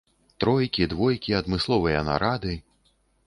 Тройкі, двойкі, адмысловыя нарады.